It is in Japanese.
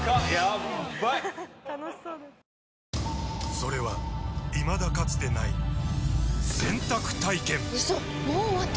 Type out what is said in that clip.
それはいまだかつてない洗濯体験‼うそっ！